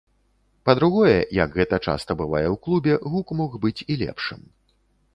Па-другое, як гэта часта бывае ў клубе, гук мог быць і лепшым.